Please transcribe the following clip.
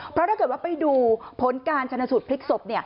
เพราะถ้าเกิดว่าไปดูผลการชนสูตรพลิกศพ